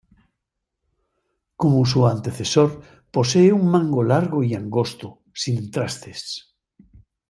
Como su antecesor, posee un mango largo y angosto, sin trastes.